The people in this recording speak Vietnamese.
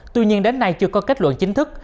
tuy nhiên đến nay chưa có kết luận chính thức